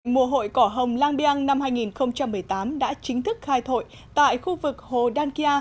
mùa hội cỏ hồng lang biang năm hai nghìn một mươi tám đã chính thức khai thội tại khu vực hồ đan kia